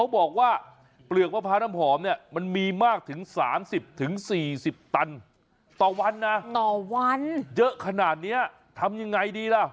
สี่สิบตันต่อวันนะต่อวันเยอะขนาดเนี้ยทำยังไงดีล่ะ